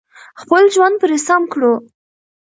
خپل ژوند پرې سم کړو.